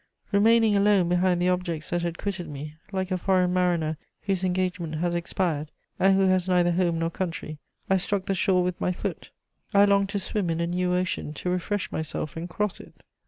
Remaining alone behind the objects that had quitted me, like a foreign mariner whose engagement has expired, and who has neither home nor country, I struck the shore with my foot; I longed to swim in a new ocean to refresh myself and cross it.